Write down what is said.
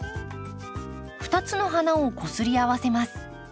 ２つの花をこすり合わせます。